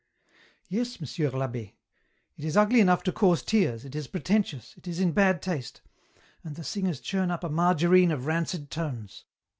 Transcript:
" Yes, Monsieur I'Abb^. It is ugly enough to cause tears, it is pretentious, it is in bad taste, and the singers churn up a margarine of rancid tones.